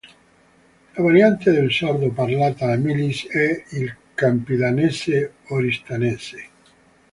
La variante del sardo parlata a Milis è il campidanese oristanese.